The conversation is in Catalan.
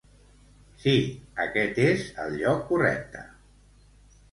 Sí, aquest és el lloc correcte.